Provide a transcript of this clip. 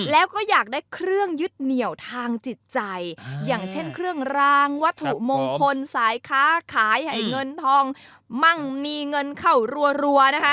แล้วก็อยากได้เครื่องยึดเหนียวทางจิตใจอย่างเช่นเครื่องรางวัตถุมงคลสายค้าขายให้เงินทองมั่งมีเงินเข้ารัวนะคะ